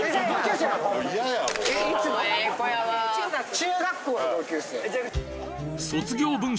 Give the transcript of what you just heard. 中学校の同級生。